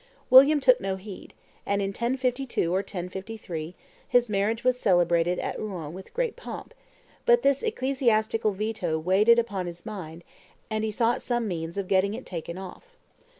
William took no heed; and, in 1052 or 1053, his marriage was celebrated at Rouen with great pomp; but this ecclesiastical veto weighed upon his mind, and he sought some means of getting it taken off.